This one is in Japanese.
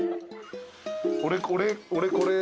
俺これ。